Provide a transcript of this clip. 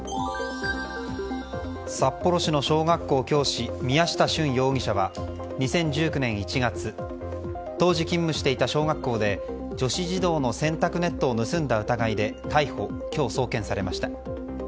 札幌市の小学校教師宮下隼容疑者は２０１９年１月当時勤務していた小学校で女子児童の洗濯ネットを盗んだ疑いで逮捕今日送検されました。